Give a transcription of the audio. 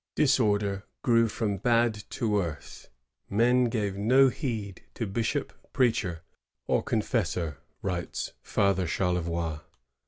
^ Disorder grew from bad to worse. ^Men gave no heed to bishop, preacher, or confessor," writes Father Charlevoix.